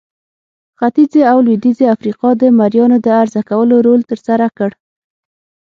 ختیځې او لوېدیځې افریقا د مریانو د عرضه کولو رول ترسره کړ.